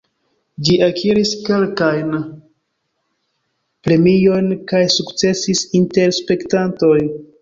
Ĝi akiris kelkajn premiojn kaj sukcesis inter spektantoj.